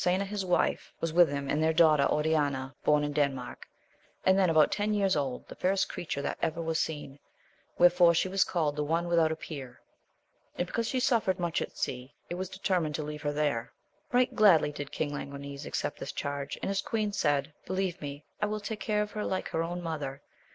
\!kiavnfeyras AMADIS OF GAUL 27 with him, and their daughter Onana, born in Denmark, and then about ten years old/the fairest creature that ever was seen, wherefore she was called the onewithout a peer. And because she suffered much at sea it was de termined to leave her there. Eight gladly did King Languines accept this charge, and his queen said, Believe me, I will take care of her like her own mother.